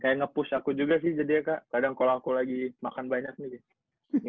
jadi nge push aku juga sih jadi ya kak kadang kalau aku lagi makan banyak nih